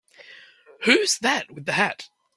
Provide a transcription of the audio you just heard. Who's that with the hat?